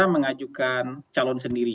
mengajukan calon sendiri